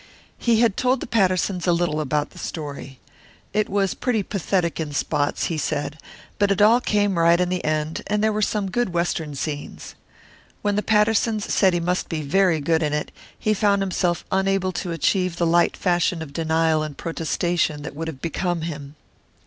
He had told the Pattersons a little about the story. It was pretty pathetic in spots, he said, but it all came right in the end, and there were some good Western scenes. When the Pattersons said he must be very good in it, he found himself unable to achieve the light fashion of denial and protestation that would have become him.